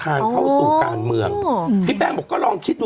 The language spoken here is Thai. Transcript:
อันคารที่ผ่านมานี่เองไม่กี่วันนี่เอง